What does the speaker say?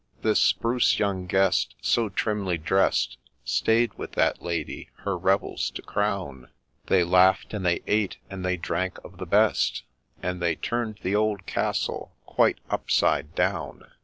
This spruce young guest, so trimly drest, Stay'd with that Lady, her revels to crown ; They laugh'd, and they ate and they drank of the best, And they turn'd the old castle quite upside down.